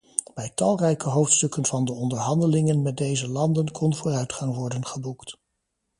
Bij talrijke hoofdstukken van de onderhandelingen met deze landen kon vooruitgang worden geboekt.